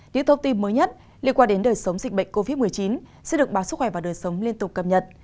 những thông tin mới nhất liên quan đến đời sống dịch bệnh covid một mươi chín sẽ được báo sức khỏe và đời sống liên tục cập nhật